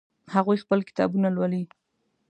هغوی خپلې کتابونه لولي